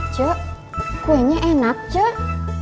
cuk kuenya enak cuk